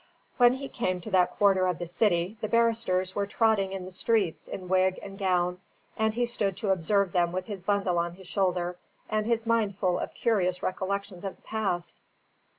When he came to that quarter of the city, the barristers were trotting in the streets in wig and gown, and he stood to observe them with his bundle on his shoulder, and his mind full of curious recollections of the past.